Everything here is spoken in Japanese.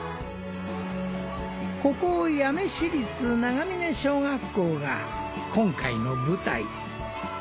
ここ八女市立長峰小学校が今回の舞台。